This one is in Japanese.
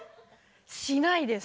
しないです。